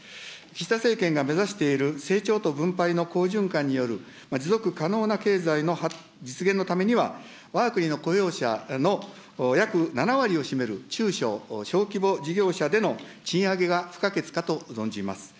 岸田政権が目指している成長と分配の好循環による持続可能な経済の実現のためには、わが国の雇用者の約７割を占める中小・小規模事業者への賃上げが不可欠かと存じます。